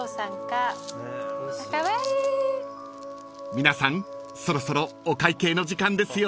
［皆さんそろそろお会計の時間ですよ］